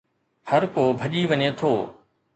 هرڪو ڀڄي وڃي ٿو